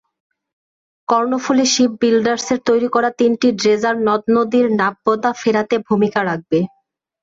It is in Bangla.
কর্ণফুলী শিপ বিল্ডার্সের তৈরি করা তিনটি ড্রেজার নদ-নদীর নাব্যতা ফেরাতে ভূমিকা রাখবে।